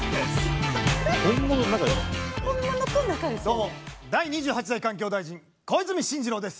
どうも第２８代環境大臣小泉進次郎です。